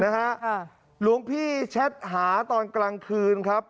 หลวงพี่แชทหาตอนกลางคืนครับ